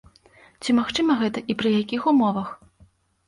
Ці магчыма гэта і пры якіх умовах?